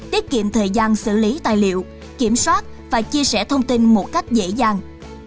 tiết kiệm thời gian xử lý tài liệu kiểm soát và chia sẻ thông tin một cách dễ dàng